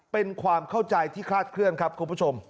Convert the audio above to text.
เป็นความเข้าใจที่คลาดเคลื่อนครับคุณผู้ชม